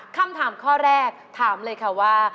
คำถามข้อแรกถามเลยค่ะว่า